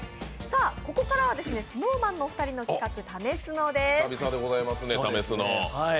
ここからはＳｎｏｗＭａｎのお二人の企画、「＃ためスノ」です。